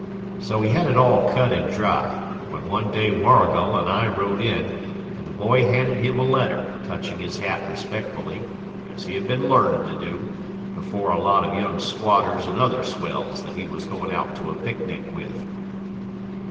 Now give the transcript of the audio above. So he had it all cut and dry, when one day Warrigal and I rode in, and the boy handed him a letter, touching his hat respectfully, as he had been learned to do, before a lot of young squatters and other swells that he was going out to a picnic with.